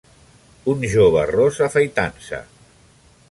Un jove ros, afaitant-se.